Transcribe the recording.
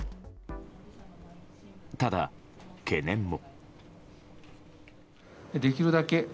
ただ、懸念も。